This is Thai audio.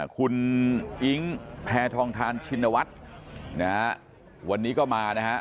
คุณอิ๊งแพทองทานชินวัฒน์วันนี้ก็มานะครับ